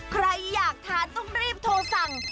ใครอยากทานต้องรีบโทรสั่ง